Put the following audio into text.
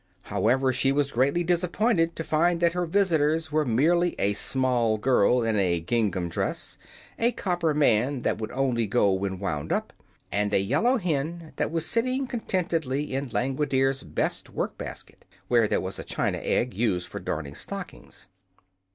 However, she was greatly disappointed to find that her visitors were merely a small girl in a gingham dress, a copper man that would only go when wound up, and a yellow hen that was sitting contentedly in Langwidere's best work basket, where there was a china egg used for darning stockings.